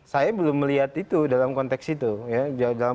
saya belum melihat itu dalam konteks itu ya